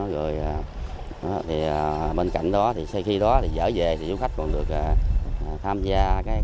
rồi thì bên cạnh đó thì sau khi đó thì dở về thì du khách còn được tham gia